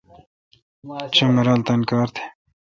چو مرال تان کار تھ۔